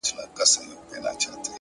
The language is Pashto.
نیک اخلاق د زړونو پلونه جوړوي!